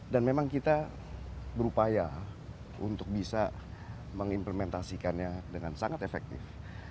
dan memang kita berupaya untuk bisa mengimplementasikannya dengan sangat efektif